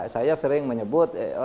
saya sering menyebut